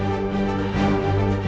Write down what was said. aku akan menang